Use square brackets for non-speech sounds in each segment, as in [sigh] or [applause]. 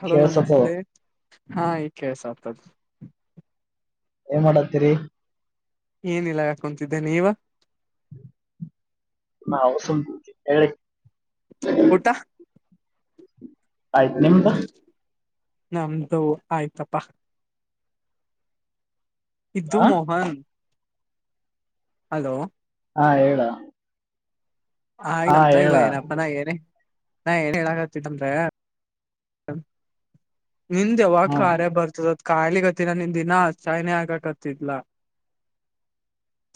Hello ಕೇಳ್ಸತದ ನಮಸ್ತೆ ಹಾ ಈಗ ಕೇಳಸ್ತಾದ. ಏನ್ ಮಾಡತ್ತೀರಿ. ಏನಿಲ್ಲಾ ಕೊಂತಿದ್ದೇನೆ ನೀವ. [inaudible] ತ್ತ. ಆಯ್ತು ನಿಮ್ದು ನಮ್ದು ಆಯ್ತಪ್ಪಾ. ಇದ್ದು ಆ ಮೋಹನ್ ಹಲೋ. ಹಾ ಹೇಳೋ. ಹ ನಮ್ದ ಹೇಳ ಏನಪ್ಪಾ ನಾ ಏನ ನಾ ಏನ್ ಹೇಳಾಗತ್ತಂದ್ರ. ನಿಂದ್ದ ಯಾವಾಗ ಹ್ಮ್ ಕಾರ್ಯ ಬರ್ತದ. ಖಾಲಿಗತ್ತಿನ ನಿನ್ನದು ಇನ್ನ ಅಸೈನ್ ಆಗಕತ್ತಿಲ್ಲ.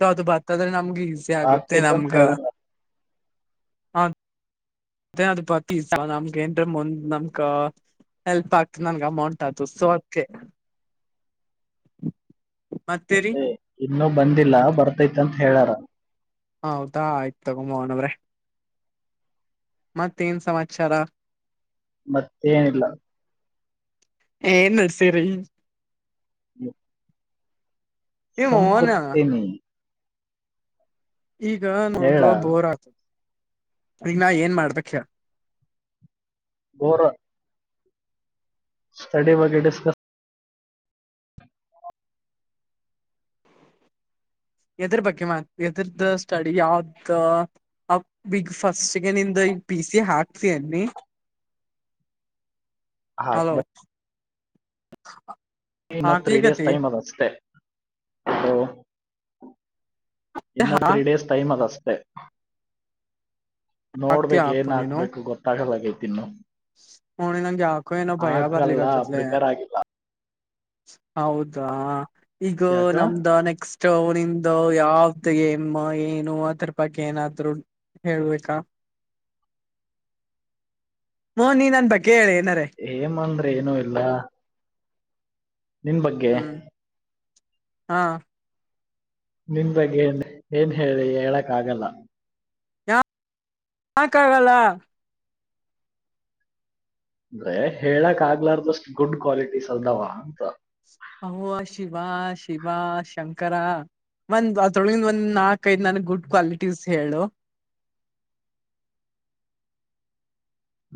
ಅದು ಬತ್ತಾದ್ರೆ ನಮ್ಗೆ ಈಸಿ ಆಗುತ್ತೆ ಆಗ್ತೈತ್ ಅಂತ ನಮ್ಗ. ಹೇಳಾರ [unintelligible] ನಮ್ಕ ಎಲ್ಪ್ ಆಗ್ತು ನನ್ಗೆ ಅಮೌಂಟ್ ಆಯತು ಸೊ ಅದಿಕ್ಕೆ. ಮತ್ತೆ. ಇನ್ನುೂ ಬಂದಿಲ್ಲ ಬರ್ತೈತೆ ಅಂತ ಹೇಳಾರ. ಹ ಹೌದಾ ಆಯ್ತು ತಕೊ ಮೋಹನ್ ಅವ್ರೆ. ಮತ್ತೇನ್ ಸಮಾಚಾರ. ಮತ್ತೆ ಏನಿಲ್ಲ. [unintelligible] [inaudible] ಏಮ ಓನ್ಯಾನ ಸುಮ್ಕುತಿನಿ. ಈಗ ಹೇಳ ನನಗೆ ಬೋರ್ ಆತ ಈಗ ನಾ ಏನ್ ಮಾಡಬೇಕು ಹೇಳು. ಬೋರ್. ಸ್ಟಡಿ ಬಗ್ಗೆ ಡಿಸ್ಕಷನ್. ಎದ್ರ ಬಗ್ಗೆ ಎರ್ದದ ಸ್ಟಡಿ ಯಾವ್ದ. ಬಿಗ್ ಫಸ್ಟ್ಗೆ ನಿಂದ್ ಪಿ ಸಿ ಹಾಕ್ತ ಅನ್ನಿ ಹಲೋ ಹಾಕ್ಬೇಕು ಇನ್ನು ತ್ರೀ ಡೇಸ್ ಹಾಕ್ಲಿಕತಿ ಟೈಮ್ ಅಷ್ಟೇ ಹಲೋ. ಇನ್ನ ಹಾ ತ್ರೀ ಡೇಸ್ ಟೈಮ್ ಅದ ಅಷ್ಟೇ. ಹಾಕ್ತಿ ನೋಡ್ಬೇಕ ಹಾಪು ಏನ್ ನೀನು ಹಾಕ್ಬೇಕು ಗೊತ್ತಾಗದಗೈತಿ ಇನ್ನು. ನಂಗೆ ಯಾಕೋ ಏನೋ ಭಯ ಆಗಲ್ಲ ಬರ್ಲಿಕ್ಕತತ್ಲ ಪ್ರಿಪೇರ್ ಆಗಿಲ್ಲ ಹೌದಾ ಈಗ ಯಾಕ ನಮ್ದ ನೆಕ್ಸ್ಟ್. ನಿಂದು ಯಾವ್ದು ಗೇಮ ಏನು ಆದರ ಬಗ್ಗೆ ಏನಾದ್ರು ಹೇಳಬೇಕಾ. ಹೋ ನೀ ನನ್ ಬಗ್ಗೆ ಹೇಳಿ ಏನಾರೇ. ಏಮ್ ಅಂದ್ರೆ ಏನುೂ ಇಲ್ಲ. ನಿನ್ ಬಗ್ಗೆ ಹ್ಮ್ ಹಾ ನಿನ್ ಬಗ್ಗೆ ಏನ್ ಏನ್ ಹೇಳಿ ಹೇಳಕ್ ಆಗಲ್ಲ. ಯ ಯಾಕೆ ಆಗಲ್ಲ. ಅಂದ್ರೆ ಹೇಳಕ್ ಆಗ್ಲಾರ್ದಷ್ಟ್ ಗುಡ್ ಕ್ವಾಲಿಟೀಸ್ ಅಲ್ದಾವ ಅಂತ ಅವ ಶಿವ ಶಿವ ಶಂಕರಾ ಒಂದ್ ಅದೊಳಗಿಂದ ಒಂದ್ ನಾಕ್ ಐದ್ ನನಗ ಗುಡ್ ಕ್ವಾಲಿಟೀಸ್ ಹೇಳು.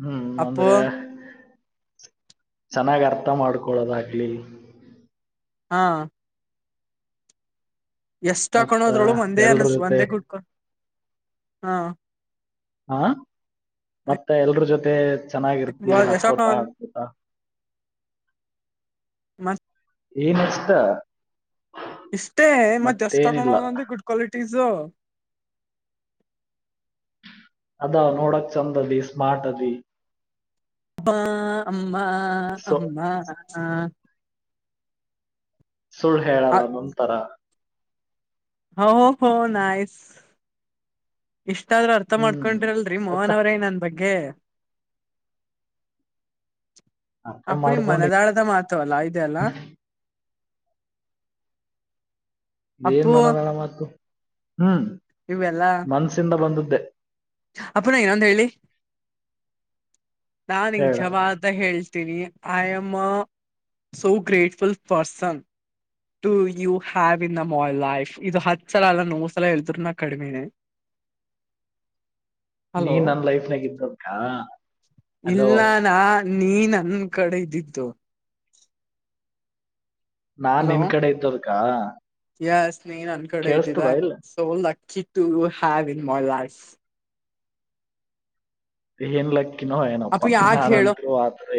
ಹ್ಮ್ ಅಪ್ಪು ಅಂದ್ರೆ ಚೆನ್ನಾಗ ಅರ್ಥ ಮಾಡ್ಕೊೊಳ್ಳೋದು ಆಗ್ಲಿ. ಹಾ ಎಷ್ಟ ಮತ್ತ ಕಳೋದ್ರೊಳು ಒಂದೇ ಎಲ್ರ ಅನಸ್ ಜೊತೆ ಒಂದೇ ಗುಡ್ಕ ಹಾ. ಹಾ ಮತ್ತೆ ಎಲ್ರ ಜೊತೆ ಚೆನ್ನಾಗಿರ್ತಿ ಎಷ್ಟ ನಕ್ಕೋತಾ ಆಡ್ಕೋತಾ. ಮತ್ ಏನ ಇಷ್ಟ. ಇಷ್ಟೇ ಮತ್ತ ಎಷ್ಟಕೊಂಡ ಮತ್ತೇನಿಲ್ಲ ಅದಾವ ಅಂದಿ ಗುಡ್ ಕ್ವಾಲಿಟೀಸು. ಅದ ನೋಡಕ ಚೆಂದ ಅದಿ ಸ್ಮಾರ್ಟ್ ಅದಿ. ಮ್ಮಾ ಅಮ್ಮ ಸೊ ಅಮ್ಮ ಸುಳ್ಳು ಹೇಳಲ್ಲಾ ನಂತರಾ. ಓ ಹೊ ನೈಸ್. ಇಷ್ಟಾದ್ರೂ ಅರ್ಥ ಹ್ಮ್ ಮಾಡ್ಕೊಂಡ್ರಿ ಅಲ್ರಿ ಮತ್ತ ಮೋಹನ ಅವರೆ ನನ್ನ ಬಗ್ಗೆ. ಅರ್ಥ ಅಪ್ಪರಿ ಮಾಡ್ಕೊಂಡಿ ಮನದಾಳದ ಮಾತ್. ತು ಅಲ್ಲಾ ಐತೆ ಅಲ್ಲಾ. ಏನ ಮನದಾಳ ಮಾತು ಹಾ. ಇವೆಲ್ಲಾ. ಮನ್ಸಿಂದ ಬಂದದ್ದೆ. ಅಪ್ಪರೆ ಇನ್ನೊಂದ ಹೇಳಿ. ನಾ ನಿಂಗ್ ಹೇಳ ಶಬಾದ. ಅಂತ ಹೇಳ್ತೀನಿ I am a so grateful person. To you have in my life ಇದು ಹತ್ತ ಸಲಾ ಅಲ್ಲ ನೋರ ಸಲಾ ಹೇಳಿದ್ರೂ ನಾ ಕಡಿಮಿನೆ. [inaudible] ನೀ ನನ್ ಲೈಫ್ನಾಗ ಇತ್ತೋಕಾ. ಇಲ್ಲ ನಾ ನೀ ನನ್ನ್ ಕಡೆ ದ್ದಿದ್ದು. ನಾ ಹಲೋ ನಿನ್ನ ಕಡೆ ಇದ್ದುದ್ದಕಾ. ಯಸ್ ನೀ ನನ್ನ ಕಡೆ ಇದ್ದಿದೆ ಇಲ್ಲ so lucky to have in my life. ಏನು ಲಕ್ಕಿನೋ ಅಪ್ಪ ಏನಪ್ಪಾ ಯಾಕ ನಾನಂತು ಆ ತರ.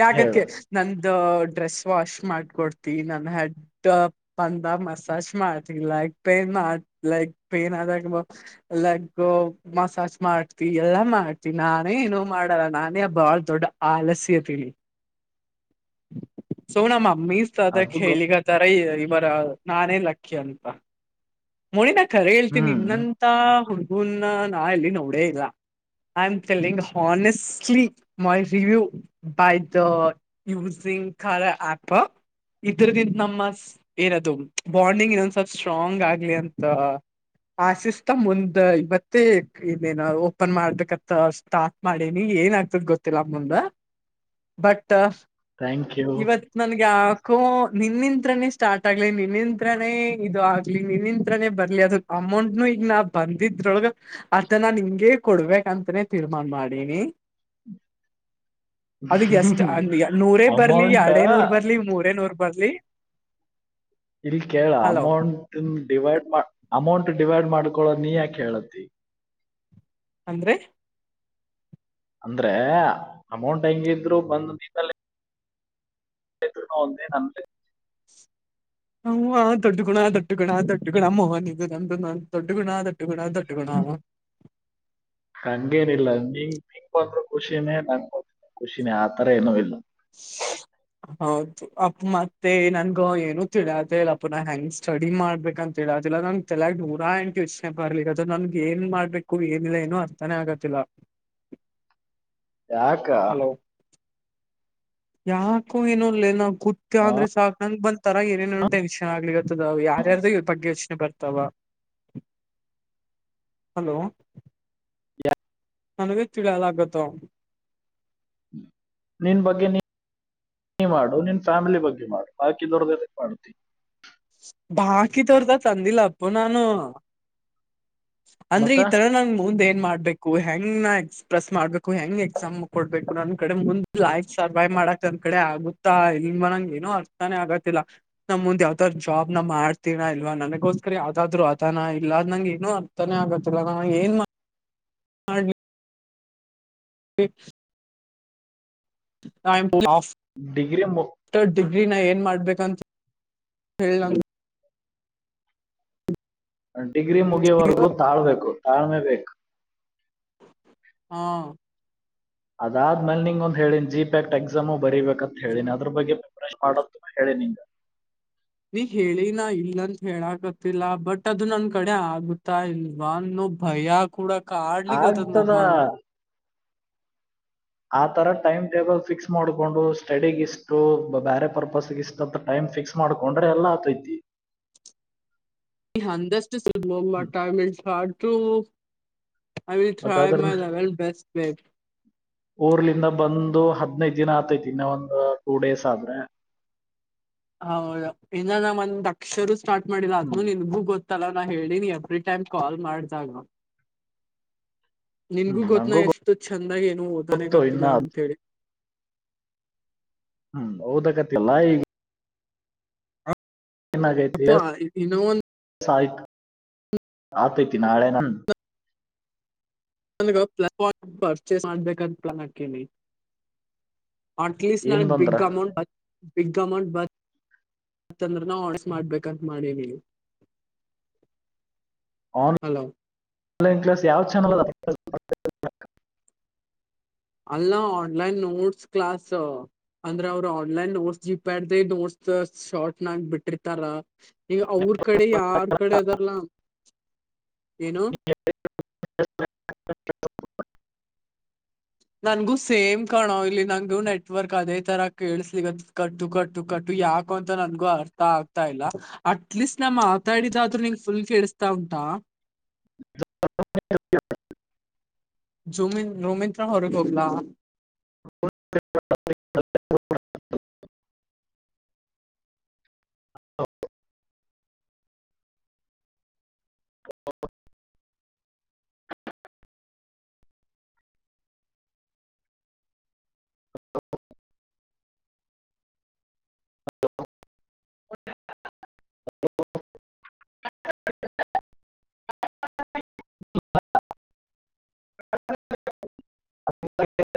ಯಾಕತ್ತಕೆಳ ನಂದು ಡ್ರೆಸ್ ವಾಶ್ ಮಾಡ್ಕೊಡ್ತಿ ನನ್ನ ಹೆಡ್. ಟ್ಟ ಪಂದ ಮಸಾಜ್ ಮಾಡ್ತಿಲ್ಲಾ ಲೈಕ್ ಪೇನ್ ಆಗ ಲೈಕ್ ಪೇನ್ ಆದಾಗವಾಪಾಸ್. ಲೆಗ ಮಸಾಜ್ ಮಾಡ್ತಿ ಎಲ್ಲಾ ಮಾಡ್ತಿ ನಾನೇ ಏನೋ ಮಾಡಲ್ಲ ನಾನೇ ಬಾಳ ದೊಡ್ಡ ಆಲಸ್ಯ ತಿಳಿ ಸೊ ನಮ್ಮ ಮಮ್ಮಿ ಸದ ಅದು ಗೊತ್ತ ಹೇಳಿಗ. ತರೈ ಇವರ ನಾನೇ ಲಕ್ಕಿ ಅಂತಾ. ಮೋಳಿ ನಾ ಕರೆ ಹೇಳ್ತೀನಿ ಹ್ಮ್ ನಿನ್ನಂತ ಹುಡುಗೂನ ನಾ ಎಲ್ಲಿ ನೋಡೇ ಇಲ್ಲಾ. I am telling honestly my review. By the using ಕಾರ್ಯ ಯಾಪ. ಇದರದಿಂದ ನಮ್ಮ ಏನದು ಬಾಂಡಿಂಗ್ ಇನ್ನೊಂದ ಸ್ವಲ್ಪ ಸ್ಟ್ರಾಂಗ್ ಆಗ್ಲಿ ಅಂತ. ಆಶಿಸ್ತಾ ಮುಂದ ಇವತ್ತೇ ಇನೇನ ಓಪನ್ ಮಾಡ್ಬೇಕತಸ್. ತಾಟ್ ಮಾಡೆನಿ ಏನ್ ಆಗ್ತದ ಗೊತ್ತಿಲ್ಲಾ ಮುಂದ ಬಟ್ ಥ್ಯಾಂಕ್ ಯು. ನನಗ ಯಾಕೋ ನಿನ್ನಿಂತ್ರನೇ ಸ್ಟಾರ್ಟ್ ಆಗ್ಲಿ ನಿನಿಂತ್ರನೇ ಇದು ಆಗ್ಲಿ. ನಿನ್ನಿಂತ್ರನೇ ಬರ್ಲಿ ಅದು ಅಮೌಂಟ್ನು ಈಗ ನಾ ಬಂದಿದ್ರೊಳಗ ಅದನ ನಿಂಗೆ ಕೊಡ್ಬೇಕಂತನೇ ತೀರ್ಮಾನ ಮಾಡೆನಿ. ಅದ ಎಷ್ಟ ಅ ನೂರೇ ಬರ್ಲಿ ಅಮೌಂಟ್ ಎರಡೇ ನೂರ ಬರ್ಲಿ ಮೂರೇ ನೂರ ಬರ್ಲಿ. ಇಲ್ಲ ಕೇಳ hello amount divide amount divide ಮಾಡ್ಕೊಳೋದ ನೀ ಯಾಕ ಹೇಳತಿ. ಅಂದ್ರೆ. ಅಂದ್ರೆ ಅಮೌಂಟ್ ಹೆಂಗಿದ್ರು ಬಂದ್ ನಿಂತಲ್ಲೆ. ಎಲ್ಲಿದ್ರೂನು ಒಂದೆ ನಂದೇ. ಹುವಾ ದೊಡ್ಡ ಗುಣ ದಟ್ಟ ಗುಣ ದೊಡ್ಡ ಗುಣ ಮೋಹನ್ ಇದು ನಮ್ದು ದಡ್ಡುಣ ದಟ್ಟು ಗುಣ ದೊಟ್ಟ ದಗುಣ ಹಂಗೇನ ಇಲ್ಲ ನೀ ನಿಕಂದ್ರರು ಖುಷಿನೇ ನಂಗ ಖುಷಿನೇ ಆತರ ಏನು ಇಲ್ಲ. [inaudible] ಹೌದು ಅಪ್ಪ ಮತ್ತೆ ನನ್ಗ ಏನು ತಿಳಿಯತಿಲ್ಲ ಇಲ್ಲಪ್ಪ ನ ಹೆಂಗ ಸ್ಟಡಿ ಮಾಡ್ಬೇಕಂತ ತಿಳ್ಯತಿಲ್ಲ ನಂಗ ತಲ್ಯಾಗ ನೂರಾ ಎಂಟ ಯೋಚನೆ ಬರ್ಲಿ ಅದು ನನ್ಗ ಏನ ಮಾಡ್ಬೇಕು ಏನಿಲ್ಲ ಏನು ಅರ್ಥಾನೇ ಆಗತ್ತಿಲ್ಲ. ಯಾಕ ಯಾಕೊ ಏನೋಲೆ ನಾ ಕುತ್ತ ಆ ಅಂದ್ರ ಸಾಕ ನಂಗ ಬ ತರ ಏನೇನೇ ಟೆನ್ಷನ್ ಆಗ್ಲಿಕತ್ತದ ಯಾರ್ಯಾರ್ದೋ ಬಗ್ಗೆ ಯೋಚನೆ ಬರ್ತಾವ. ಹಲೋ ಯ ನನಗ ತಿಳಿಲ್ಯಾಗತ್ತ ನಿನ್ ಬಗ್ಗೆ ನೀ ನೀ ಮಾಡು ನಿನ್ ಫ್ಯಾಮಿಲಿ ಬಗ್ಗೆ ಮಾಡು ಭಾಕಿದವರದ ಏದಕ್ ಮಾಡ್ತಿ. ಬಾಕಿದವರದು ಅತ್ತ ಅಂದಿಲ್ಲ ಅಪ್ಪು ನಾನು. ಅಂದ್ರ ಮತ್ತ ಈ ತರ ನಂದ ಮುಂದ ಏನ್ ಮಾಡ್ಬೇಕು ಹೆಂಗ ನಾ ಎಕ್ಸ್ಪ್ರೆಸ್ ಮಾಡ್ಬೇಕು ಹೆಂಗ ಎಕ್ಸಾಮ ಕೊಡ್ಬೇಕ. ನನ್ ಕಡೆ ಮುಂದ ಲೈಫ್ ಸರ್ವೈವ ಮಾಡಕ್ ನನ್ನ ಕಡೆ ಆಗುತ್ತಾ ಇಲ್ವಾ ನಂಗ ಏನು ಅರ್ಥಾನೇ ಆಗತ್ತಿಲ್ಲ. ನಾ ಮುಂದ ಯಾವ್ದಾರ ಜಾಬ್ ನ ಮಾಡ್ತೀನಾ ಇಲ್ವಾ ನನಗೋಸ್ಕರ ಯಾವ್ದಾದ್ರು ಅದಾನ ಇಲ್ಲಾ ನಂಗೇನು ಏನು ತನ ಆಗತ್ತಿಲ್ಲ ನಾ ಏನ್ ಮಾಡ್ಲಿ [inaudible] ಟೈಮ್ ಫುಲ್ ಆಫ್ ಡಿಗ್ರಿ ಮು [unintelligible] ಡಿಗ್ರಿನ ಏನ್ ಮಾಡ್ಬೇಕಂತ ಹೇಳ ನ ಡಿಗ್ರಿ ಮುಗಿಯವರೆಗೂ ತಾಳ್ಬೇಕು ತಾಳ್ಮೆ ಬೇಕ. ಹಾ ಅದಾದ್ಮೇಲ ನಿಂಗ ಒಂದ ಹೇಳಿನಿ ಜಿ ಪ್ಯಾಕ್ ಎಕ್ಸಾಮು ಬರಿಬೇಕ ಅತ್ತ ಹೇಳಿನಿ ಅದ್ರ ಬಗ್ಗೆ ಪ್ರಿಪರೇಷನ್ ಮಾಡ ಹೇಳೀನಿ. ನೀ ಹೇಳಿ ನಾ ಇಲ್ಲಂತ ಹೇಳಕತ್ತಿಲ್ಲ ಬಟ್ ಅದು ನನ್ ಕಡೆ ಆಗುತ್ತಾ ಇಲ್ವಾನ್ನೋ ಭಯ. ಕೂಡ ಕಾಡ್ಲಿ ಕತ್ತದ ಆಗ್ತದ ನೋಪಾ ಆ ತರ ಟೈಮ್ ಟೇಬಲ್ ಫಿಕ್ಸ್ ಮಾಡ್ಕೊಂಡು ಸ್ಟಡಿಗ ಇಷ್ಟು ಬೇರೆ ಪರ್ಪಸ್ಗ ಇಷ್ ಸ್ವಲ್ಪ ಟೈಮ ಫಿಕ್ಸ್ ಮಾಡಕೊಂಡ್ರೆ ಎಲ್ಲ ಆಗ್ತೈತಿ. ಈ ಅಂದಷ್ಟ ಸುಲಭ ಅಲ್ಲ ಹ್ಮ್. ಟೈಮ್ ಎಲ್ಲ ಸ್ಟಾತು ಮತ್ತ ಅದ್ರ [unintelligible] ಊರ್ಲಿಂದ ಬಂದು ಹದ್ನೈದ ದಿನ ಆತೈತಿ ಇನ್ನ ಒಂದ ಟೂ ಡೇಸ್ ಆದ್ರೆ ಹಾಂ ಇನ್ನ ನಾ ಒಂದ ಅಕ್ಷರು ಸ್ಟಾರ್ಟ್ ಮಾಡಿಲ್ಲ ಹ್ಮ್ ಅದ್ನು ನಿನ್ಗೂ ಗೊತ್ ತ್ತಲ ನಾ ಹೇಳಿನಿ ಎವ್ರಿ ಟೈಮ್ ಕಾಲ್ ಮಾಡಿದಾಗ ನಿನ್ಗೂ ಹ್ಮ್ ಗೊತ್ತ ನಾ ನಂಗೂ ಎಷ್ಟ ಚಂದಾ ಏನು ಓದಾನೆ ಗೊತ್ತು ಕತ್ತಿಲ್ಲ ಇನ್ನ ಅಂತ ಹೇಳಿ ಹ್ಮ ಓದಕತ್ತಿಲ್ಲಾ ಈಗ ಏನಾಗೈತಿ ಅಪ್ಪ ಎ ಇನ್ನೋ ಒಂದ್ ಸಾಯ್ತಾ ಆತೈತಿ ನಾಳೆನ ನನ್ [unintelligible] ಪರ್ಚೇಸ್ ಮಾಡ್ಬೇಕಂತ ಪ್ಲಾನ್ ಹಾಕಿನೀ. ಅಟ್ ಲೀಸ್ಟ್ ಏನ್ ನನಗ ಬಂದ್ರ ಬಿಗ್ ಅಮೌಂಟ್ ಬಿಗ್ ಅಮೌಂಟ್ ಬ ತ್ತಂದ್ರ ನಾ ಆಸ್ ಮಾಡ್ಬೇಕಂತ ಮಾಡೀನೀ. ಆನ್ ಹಲೋ ಆನ್ಲೈನ್ ಕ್ಲಾಸ್ ಯಾವ ಚಾನಲ್ ಅದ. ಅಲ್ಲ ಆನ್ಲೈನ್ ನೋಟ್ಸ್ ಕ್ಲಾಸ್. ಅಂದ್ರ ಅವರ ಆನ್ಲೈನ್ ನೋಟ್ಸ್ ಜಿಪ್ಯಾಡ್ ದ ನೋಟ್ಸ್ ಶಾರ್ಟ್ ನಾಗ ಬಿಟ್ಟಿರ್ತಾರ. ಈಗ ಅವ್ರ್ ಕಡೆ ಯಾರ್ ಕಡೆ ಅದಾರಲ್ಲ ಏನು [unintelligible] ನನ್ಗೂ ಸೇಮ್ ಕಣೋ ಇಲ್ಲಿ ನಂಗು ನೆಟ್ವರ್ಕ್ ಅದೇ ತರ ಕೇಳ್ಸಿಕತ್ತಾದ್ ಕಟ್ಟು ಕಟ್ಟು ಕಟ್ಟು ಯಾಕು ಅಂತ ನನ್ಗು ಅರ್ಥ ಆಗ್ತಾ ಇಲ್ಲ ಅಟ್ಲೀಸ್ಟ್ ನಾ ಮಾತಾಡಿದಾದ್ರೂ ನಿಂಗ್ ಫುಲ್ ಕೇೇಳಿಸತಾ ಉಂಟಾ ಹ [unintelligible] ಜೂಮಿನ್ ರೂಮಿತ್ರ ಹೊರಗ ಹೋಗ್ಲಾ [unintelligible] ಹ ಹಲೋ [inaudible]